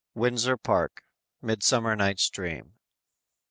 WINDSOR PARK. "MIDSUMMER NIGHT'S DREAM."